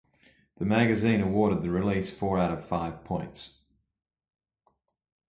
The magazine awarded the release four out of five points.